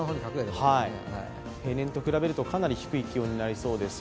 例年と比べるとかなり低い気温になりそうです。